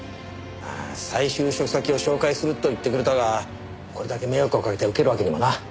再就職先を紹介すると言ってくれたがこれだけ迷惑をかけて受けるわけにもな。